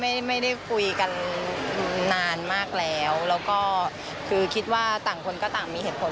ไม่ได้ไม่ได้คุยกันนานมากแล้วแล้วก็คือคิดว่าต่างคนก็ต่างมีเหตุผล